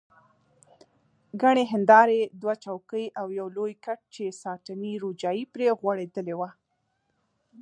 ګڼې هندارې، دوه چوکۍ او یو لوی کټ چې ساټني روجایې پرې غوړېدلې وه.